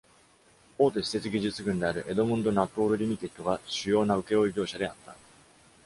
大手施設技術群である Edmund Nuttall Limited が主要な請負業者であった。